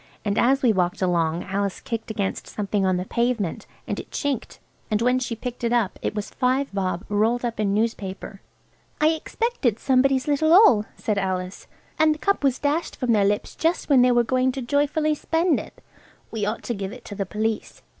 And as we walked along Alice kicked against something on the pavement, and it chinked, and when she picked it up it was five bob rolled up in newspaper. "I expect it's somebody's little all," said Alice, "and the cup was dashed from their lips just when they were going to joyfully spend it. We ought to give it to the police."